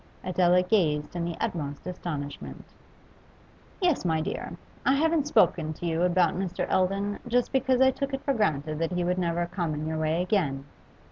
Adela gazed in the utmost astonishment. 'Yes, my dear. I haven't spoken to you about Mr. Eldon, just because I took it for granted that he would never come in your way again.